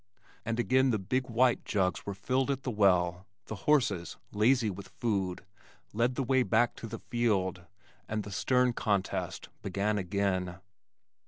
and again the big white jugs were filled at the well, the horses, lazy with food, led the way back to the field, and the stern contest began again.